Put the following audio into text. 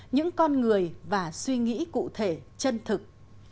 những con người và suy nghĩ cụ thể chân thực